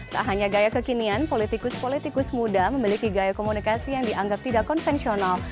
tak hanya gaya kekinian politikus politikus muda memiliki gaya komunikasi yang dianggap tidak konvensional